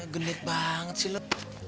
gendek banget sih lo